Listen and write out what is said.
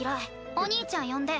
お兄ちゃん呼んで！